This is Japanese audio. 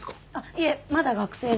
いえまだ学生で。